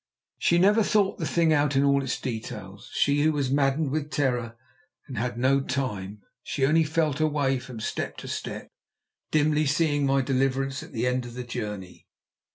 She never thought the thing out in all its details, she who was maddened with terror and had no time. She only felt her way from step to step, dimly seeing my deliverance at the end of the journey.